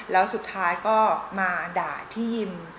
แล้วสุดท้ายก็มาด่าที่ยิม